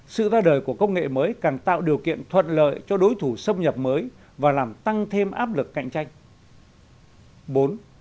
sự ra đời của công nghệ mới càng tạo điều kiện thuận lợi cho đối thủ xâm nhập mới và làm tăng thêm áp lực cạnh tranh